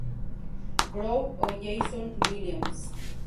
Brown o Jayson Williams.